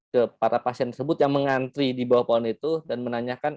ke para pasien tersebut yang mengantri di bawah pohon itu dan menanyakan